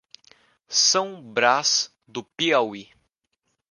São Braz do Piauí